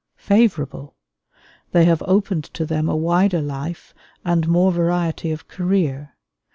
Favorable. They have opened to them a wider life and more variety of career.